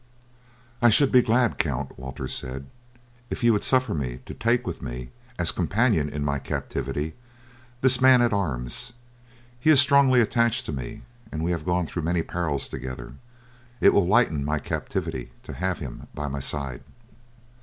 "I should be glad, count," Walter said, "if you will suffer me to take with me as companion in my captivity this man at arms. He is strongly attached to me, and we have gone through many perils together; it will lighten my captivity to have him by my side."